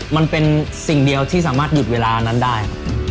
มันเป็นสิ่งเดียวที่สามารถหยุดเวลานั้นได้